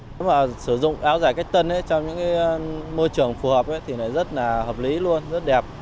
nếu mà sử dụng áo dài cách tân ấy trong những môi trường phù hợp thì lại rất là hợp lý luôn rất đẹp